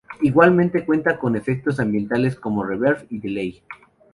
Igualmente cuenta con efectos ambientales como reverb y delay.